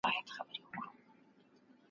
که پلټنه ونسي پټ حقایق نه رابرسېره کیږي.